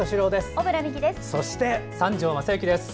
小村美記です。